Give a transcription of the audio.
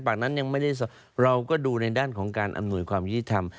ปากนั้นยังไม่ได้บอกเราก็ดูในด้านของการอำหนุความยิทธิธรรม